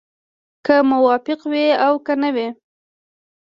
که موفق وي او که نه وي.